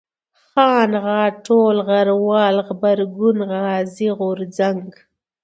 خان ، غاټول ، غروال ، غبرگون ، غازي ، غورځنگ